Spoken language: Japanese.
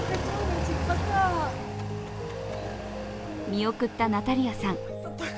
見送ったナタリアさん。